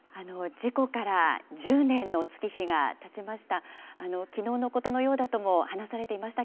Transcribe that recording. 事故から１０年の月日がたちました。